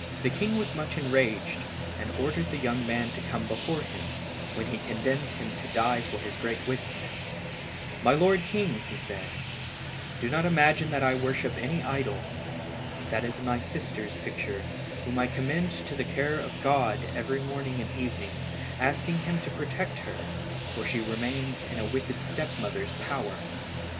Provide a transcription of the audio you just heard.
The king was much enraged, and ordered the young man to come before him, when he condemned him to die for his great wickedness. "My lord king," said he, "do not imagine that I worship any idol. That is my sister's picture, whom I commend to the care of God every morning and evening, asking Him to protect her, for she remains in a wicked step mother's power."